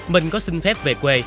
minh có xin phép về quê